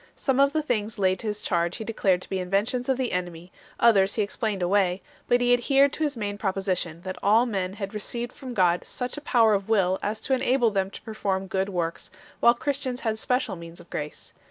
Some of the things laid to his charge he declared to be inventions of the enemy, others he explained away ; but he adhered to his main proposition, that all men had received from God such a power of will as to enable them to perform good works, while Christians had special means of grace.